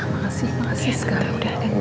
makasih makasih sekali